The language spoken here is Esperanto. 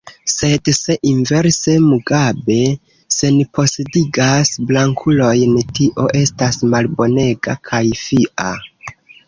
Sed se inverse Mugabe senposedigas blankulojn, tio estas malbonega kaj fia.